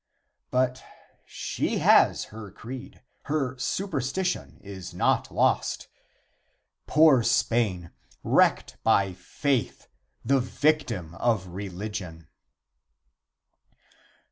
But she has her creed; her superstition is not lost. Poor Spain, wrecked by faith, the victim of religion!